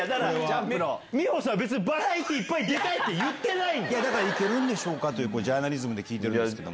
美帆さん、別にバラエティー、いっぱい出たいって、だから、いけるんでしょうかっていう、ジャーナリズムで聞いてるんですけど。